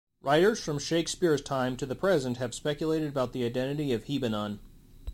Writers from Shakespeare's time to the present have speculated about the identity of hebenon.